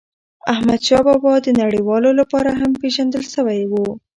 احمدشاه بابا د نړیوالو لپاره هم پېژندل سوی و.